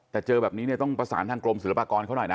แต่เจอแบบนี้เนี่ยต้องประสานทางกรมศิลปากรเขาหน่อยนะ